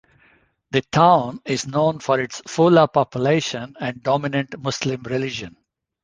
The town is known for its Fula population and dominant Muslim religion.